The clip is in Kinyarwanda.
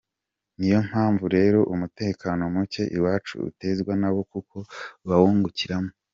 Niyo mpamvu rero umutekano mucye iwacu utezwa nabo kuko bawungukiramo.